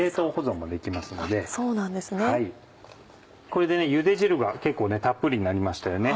これでゆで汁が結構たっぷりになりましたよね。